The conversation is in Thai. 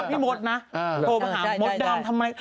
พี่ม้อได้ที่หัวแล่ว